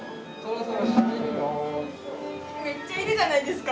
めっちゃいるじゃないですか。